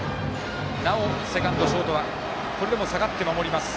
なお、セカンド、ショートはこれでも下がって守ります。